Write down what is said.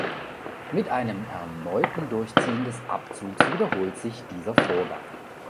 Mit einem erneuten Durchziehen des Abzuges wiederholt sich dieser Vorgang.